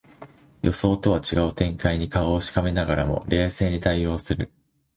予想とは違う展開に顔をしかめながらも冷静に対応する